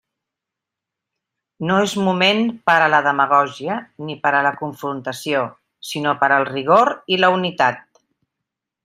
No és moment per a la demagògia ni per a la confrontació, sinó per al rigor i la unitat.